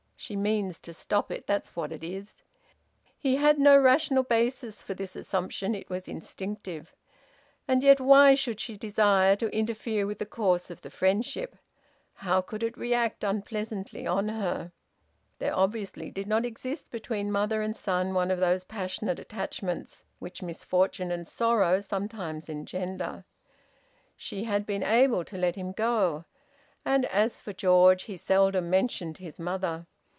She means to stop it! That's what it is!" He had no rational basis for this assumption. It was instinctive. And yet why should she desire to interfere with the course of the friendship? How could it react unpleasantly on her? There obviously did not exist between mother and son one of those passionate attachments which misfortune and sorrow sometimes engender. She had been able to let him go. And as for George, he seldom mentioned his mother.